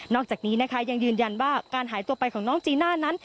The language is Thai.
อกจากนี้นะคะยังยืนยันว่าการหายตัวไปของน้องจีน่านั้น